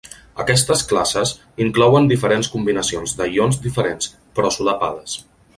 Aquestes classes inclouen diferents combinacions de ions diferents, però solapades.